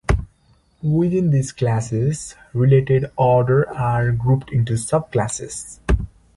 Within these classes, related orders are grouped into subclasses.